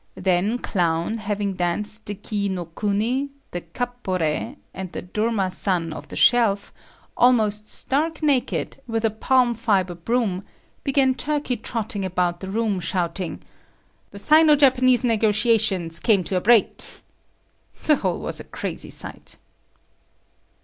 Then Clown, having danced the Kii no kuni, the Kap pore[K] and the Durhma san on the Shelf, almost stark naked, with a palm fibre broom, began turkey trotting about the room, shouting "The Sino Japanese negotiations came to a break……." The whole was a crazy sight.